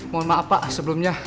mohon maaf pak sebelumnya